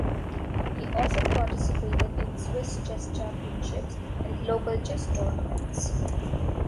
He often participated in Swiss Chess Championships and local chess tournaments.